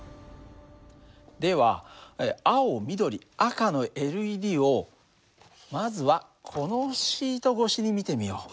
では青緑赤のＬＥＤをまずはこのシート越しに見てみよう。